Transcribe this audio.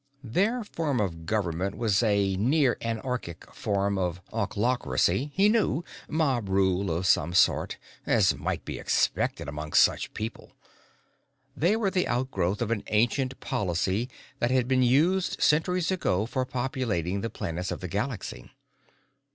Their form of government was a near anarchic form of ochlocracy, he knew mob rule of some sort, as might be expected among such people. They were the outgrowth of an ancient policy that had been used centuries ago for populating the planets of the galaxy.